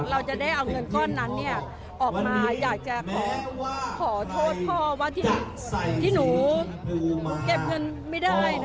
เราจะได้เอาเงินก้อนนั้นออกมาอยากจะขอโทษพ่อว่าที่หนูเก็บเงินไม่ได้